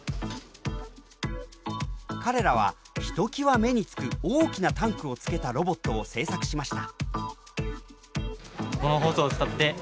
彼らはひときわ目につく大きなタンクをつけたロボットを製作しました。